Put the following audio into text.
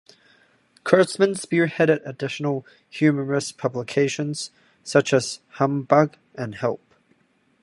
Kurtzman spearheaded additional humorous publications such as "Humbug" and "Help!".